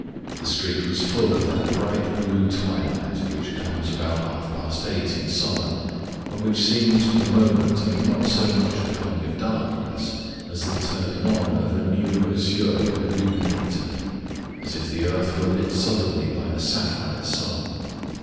The street was full of that bright blue twilight which comes about half past eight in summer, and which seems for the moment to be not so much a coming of darkness as the turning on of a new azure illuminator, as if the earth were lit suddenly by a sapphire sun.